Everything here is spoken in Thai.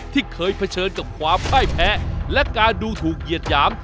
ที่เคยเผชิญกับความพ่ายแพ้และการดูถูกเหยียดหยาม